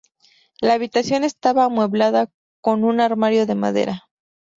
La habitación estaba amueblada con un armario de madera.